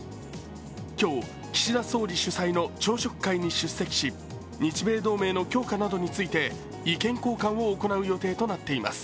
今日、岸田総理主催の朝食会に出席し、日米同盟の強化などについて意見交換を行う予定となっています。